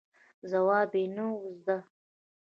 ځواب یې نه و زده.